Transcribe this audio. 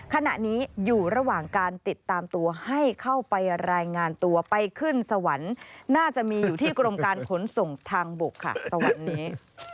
ขณะนี้อยู่ระหว่างการติดตามตัวให้เข้าไปรายงานตัวไปขึ้นสวรรค์น่าจะมีอยู่ที่กรมการขนส่งทางบกค่ะสวรรค์นี้